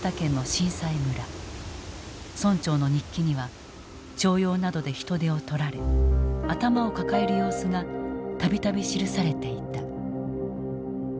村長の日記には徴用などで人手を取られ頭を抱える様子が度々記されていた。